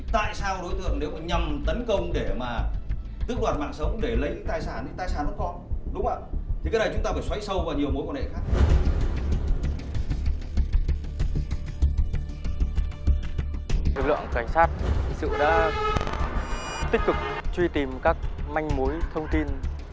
thực lượng cảnh sát thực sự đã tích cực truy tìm các manh mối thông tin